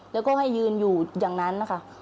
แล้วก็ให้ยืนอยู่อย่างนั้นนะคะ